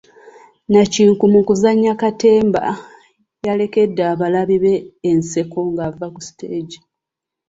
Nnakinku mu kuzannya katemba yalekedde abalabi be enseko ng'ava ku siteegi.